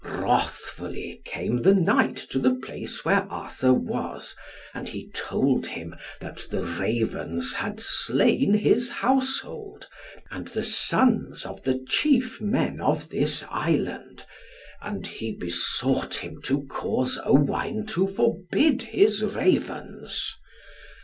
Wrathfully came the knight to the place where Arthur was, and he told him that the Ravens had slain his household and the sons of the chief men of this Island, and he besought him to cause Owain to forbid his Ravens.